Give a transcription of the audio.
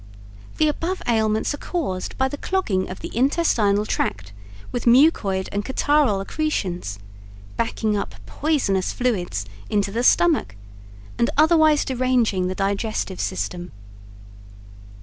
The above ailments are caused by the clogging of the intestinal tract with mucoid and catarrhal accretions, backing up poisonous fluids into the stomach, and otherwise deranging the digestive system.